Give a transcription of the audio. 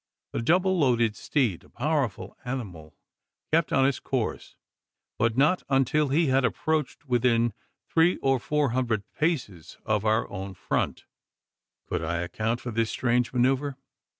The double loaded steed a powerful animal kept on his course; but, not until he had approached within three or four hundred paces of our own front, could I account for this strange manoeuvre.